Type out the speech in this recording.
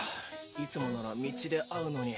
いつもなら道で会うのに。